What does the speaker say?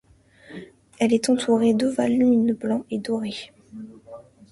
Elle est entourée d'ovales lumineux blancs et dorés.